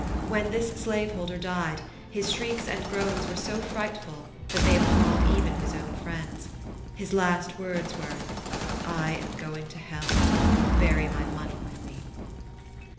When this slaveholder died, his shrieks and groans were so frightful that they appalled his own friends. His last words were, "I am going to hell; bury my money with me."